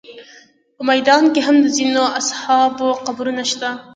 په میدان کې هم د ځینو اصحابو قبرونه شته.